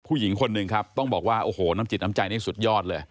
ผู้หญิงคนหนึ่งครับต้องบอกว่าโอ้โหน้ำจิตน้ำใจนี่สุดยอดเลย